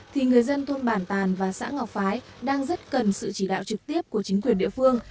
thì người dân thôn bản tàn và xã ngọc phái đang rất cần sự chỉ đạo trực tiếp của chính quyền địa phương